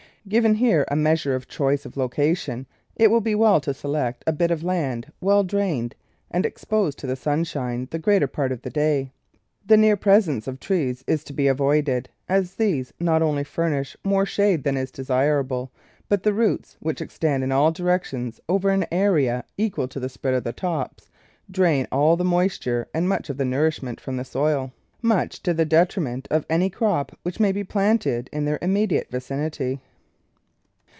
Given here a measure of choice of location, it will be well to select a bit of land well drained and exposed to the sunshine the greater part of the day. The near presence of trees is to be avoided, as these not only furnish more shade than is desirable, but the roots — which ex tend in all directions over an area equal to the spread THE LOCATION OF THE GARDEN of tops — drain all the moisture and much of the nourishment from the soil, much to the detriment of any crop which may be planted in their imme diate vicinity.